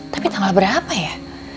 tapi tanggal berapa ya